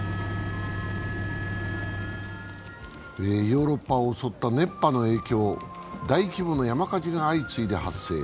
ヨーロッパを襲った熱波の影響、大規模な山火事が相次いで発生。